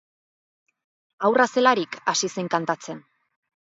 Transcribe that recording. Haurra zelarik hasi zen kantatzen.